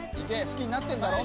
好きになってんだろ！